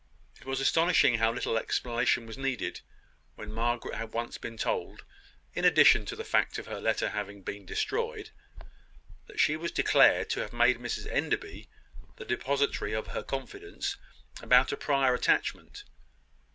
It was astonishing how little explanation was needed when Margaret had once been told, in addition to the fact of her letter having been destroyed, that she was declared to have made Mrs Enderby the depository of her confidence about a prior attachment.